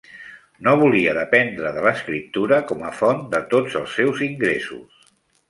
No volia dependre de l'escriptura com a font de tots els seus ingressos.